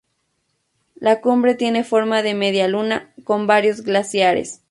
La cumbre tiene forma de media luna, con varios glaciares.